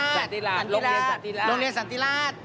สัติราชโรงเรียนสัติราช